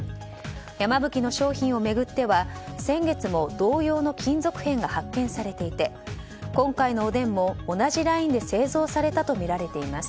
山吹の商品を巡っては先月も同様の金属片が発見されていて今回のおでんも同じラインで製造されたとみられています。